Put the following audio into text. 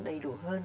đầy đủ hơn